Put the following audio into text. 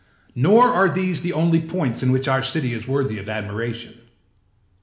âNor are these the only points in which our city is worthy of admiration.